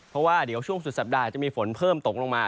เพราะว่าเดี๋ยวช่วงสุดสัปดาห์จะมีฝนเพิ่มตกลงมา